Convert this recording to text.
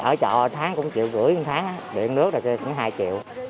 ở chợ tháng cũng một triệu rưỡi một tháng điện nước rồi kia cũng hai triệu